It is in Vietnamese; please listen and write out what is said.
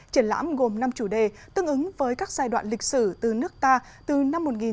triển lãm gồm năm chủ đề tương ứng với các giai đoạn lịch sử từ nước ta từ năm một nghìn chín trăm ba mươi đến nay